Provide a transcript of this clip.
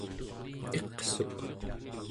iqsuk